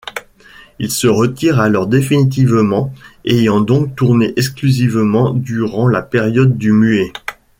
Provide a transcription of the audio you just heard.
Il se retire alors définitivement, ayant donc tourné exclusivement durant la période du muet.